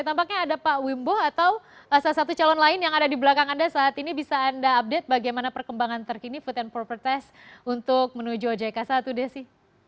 tampaknya ada pak wimbo atau salah satu calon lain yang ada di belakang anda saat ini bisa anda update bagaimana perkembangan terkini fit and proper test untuk menuju ojk satu desi